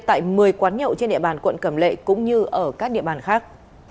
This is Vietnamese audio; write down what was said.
tại một mươi quán nhậu trên địa bàn quận cầm lệ cũng như ở các địa bàn khác